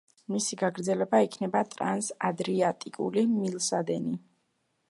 მისი გაგრძელება იქნება ტრანს-ადრიატიკული მილსადენი.